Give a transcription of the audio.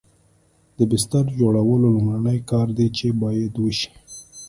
د بستر جوړول لومړنی کار دی چې باید وشي